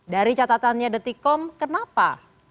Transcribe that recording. dari catatannya detikkom kenapa